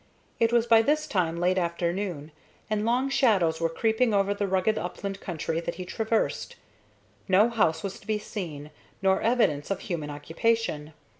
It was by this time late afternoon, and long shadows were creeping over the rugged upland country that he traversed. No house was to be seen, nor evidence of human occupation.